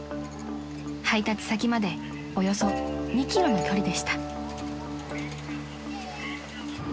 ［配達先までおよそ２ｋｍの距離でした］